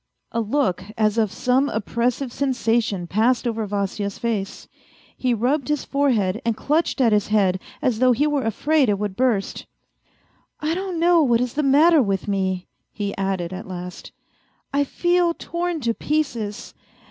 A look as of some oppressive sensation passed over Vasya's face ; he rubbed his forehead and clutched at his head, as though he were afraid it would burst. " I don't know what is the matter with me," he added, at last. " I feel torn to pieces.